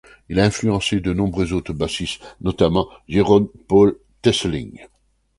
Il a influencé de nombreux autres bassistes, notamment Jeroen Paul Thesseling.